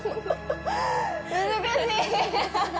難しい。